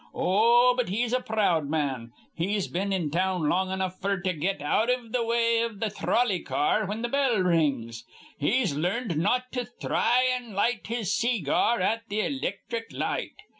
Oh, but he's a proud man. He's been in town long enough f'r to get out iv th' way iv th' throlley ca ar whin th' bell rings. He's larned not to thry an' light his see gar at th' ilicthric light.